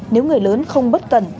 nếu người lớn không bất cẩn